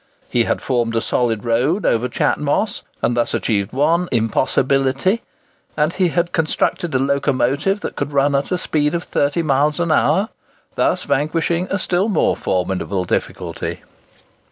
He had formed a solid road over Chat Moss, and thus achieved one "impossibility;" and he had constructed a locomotive that could run at a speed of 30 miles an hour, thus vanquishing a still more formidable difficulty.